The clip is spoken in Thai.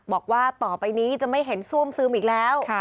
บอกว่าต่อไปนี้จะไม่เห็นซ่วมซึมอีกแล้ว